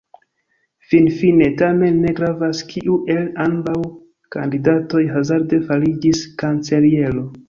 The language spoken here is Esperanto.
Finfine tamen ne gravas, kiu el ambaŭ kandidatoj hazarde fariĝis kanceliero.